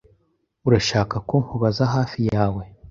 Urashaka ko nkubaza hafi yawe?